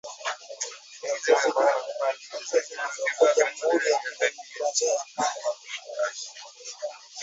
fursa zilizoko jamhuri ya kidemokrasia ya Kongo